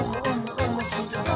おもしろそう！」